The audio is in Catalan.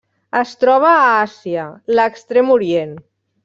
Es troba a Àsia: l'Extrem Orient.